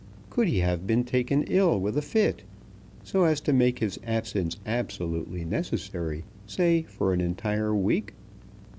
Could he have been taken ill with a fit, so as to make his absence absolutely necessary, say for an entire week?